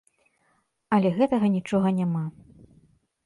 Але гэтага нічога няма.